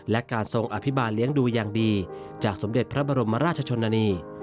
และการทรงอภิบาลเลี้ยงดูอย่างดีจากสมเด็จพระบรมราชชนนานี